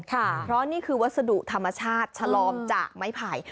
เพราะนี่คือวัสดุธรรมชาติชะลอมจากไม้ไผ่